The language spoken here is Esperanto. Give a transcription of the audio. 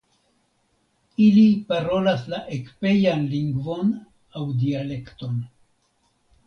Ili parolas la ekpejan lingvon aŭ dialekton.